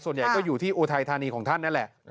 ส่วนใหญ่ก็อยู่ที่อุทัยธานีของท่านนั่นแหละ